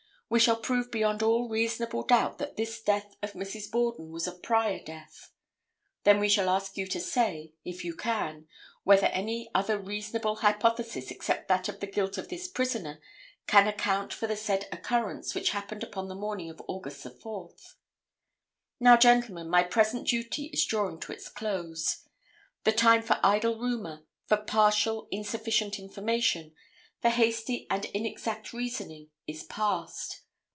We shall prove beyond all reasonable doubt that this death of Mrs. Borden was a prior death. Then we shall ask you to say, if say you can, whether any other reasonable hypothesis except that of the guilt of this prisoner can account for the said occurrence which happened upon the morning of August 4. Now, gentlemen, my present duty is drawing to its close. The time for idle rumor, for partial, insufficient information, for hasty and inexact reasoning, is past.